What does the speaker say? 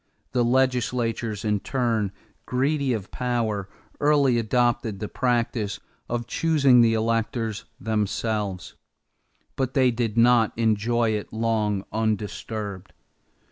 The legislatures, in turn, greedy of power, early adopted the practice of choosing the electors themselves; but they did not enjoy it long undisturbed.